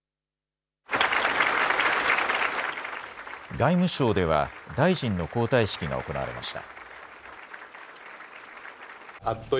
外務省では大臣の交代式が行われました。